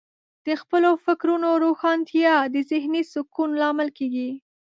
د خپلو فکرونو روښانتیا د ذهنې سکون لامل کیږي.